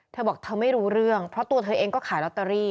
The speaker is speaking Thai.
เธอบอกเธอไม่รู้เรื่องเพราะตัวเธอเองก็ขายลอตเตอรี่